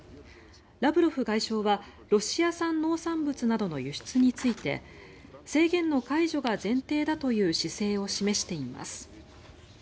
ラブロフ外相はロシア産農産物などの輸出について制限の解除が前提だという姿勢を示しています。